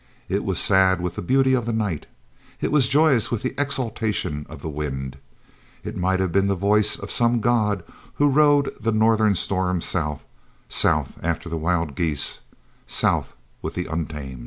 It was sad with the beauty of the night. It was joyous with the exultation of the wind. It might have been the voice of some god who rode the northern storm south, south after the wild geese, south with the untamed.